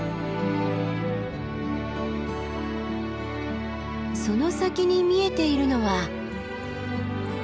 その先に見えているのは。